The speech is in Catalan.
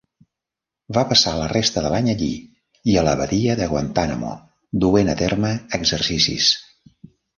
Va passar la resta de l'any allí i a la Badia de Guantánamo duent a terme exercicis.